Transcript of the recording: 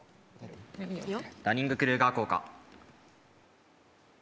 ダニング＝クルーガー効果。